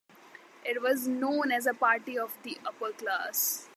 It was known as a party of the upper class.